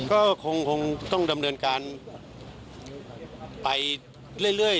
ก็คงต้องดำเนินการไปเรื่อย